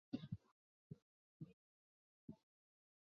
汽车公司本身短暂而动荡的历史也引人注目。